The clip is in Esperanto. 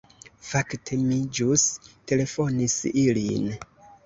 "Fakte, mi ĵus telefonis ilin."